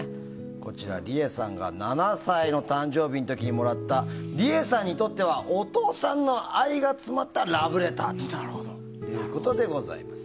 こちら、リエさんが７歳の誕生日の時にもらったリエさんにとってはお父さんの愛が詰まったラブレターということでございます。